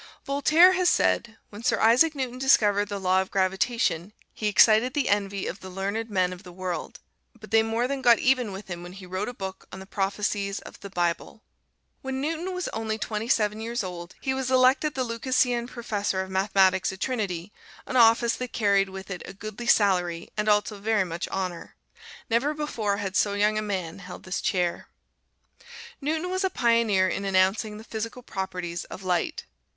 Voltaire has said, "When Sir Isaac Newton discovered the Law of Gravitation he excited the envy of the learned men of the world; but they more than got even with him when he wrote a book on the prophecies of the Bible." When Newton was only twenty seven years old he was elected the Lucasian Professor of Mathematics at Trinity, an office that carried with it a goodly salary and also very much honor. Never before had so young a man held this chair. Newton was a pioneer in announcing the physical properties of light.